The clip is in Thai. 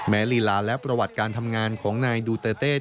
ลีลาและประวัติการทำงานของนายดูเตอร์เต้